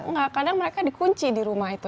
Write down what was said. enggak kadang mereka dikunci di rumah itu